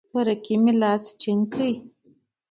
تورکي مې لاس ټينگ کړ.